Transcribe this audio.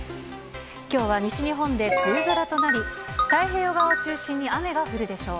きょうは西日本で梅雨空となり、太平洋側を中心に雨が降るでしょう。